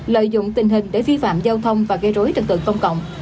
lợi dụng tình hình để vi phạm giao thông và gây rối trận tượng công cộng